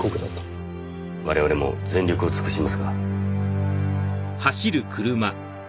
我々も全力を尽くしますが。